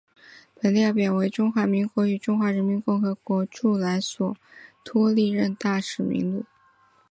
本列表为中华民国与中华人民共和国驻莱索托历任大使名录。